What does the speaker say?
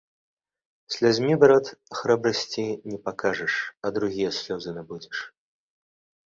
Слязьмі, брат, храбрасці не пакажаш, а другія слёзы набудзеш.